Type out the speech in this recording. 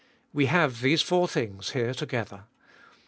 We have these four things here together.